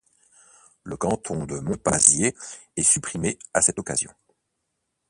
Le canton de Monpazier est supprimé à cette occasion.